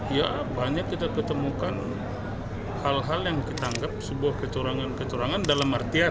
ya banyak kita ketemukan hal hal yang kita anggap sebuah kecurangan kecurangan dalam artian